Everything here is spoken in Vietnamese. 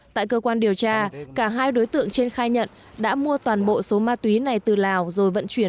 tại cơ quan điều tra cả hai đối tượng trên khai nhận đã mua toàn bộ số ma túy này từ lào